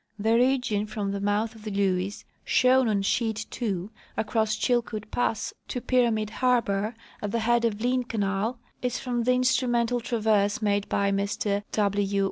The region from the mouth of the Lewes, shown on sheet ii, across Chilkootpass to Pyramid harbor, at the head of Lynn canal, is from the in strumental traverse made by Mr W.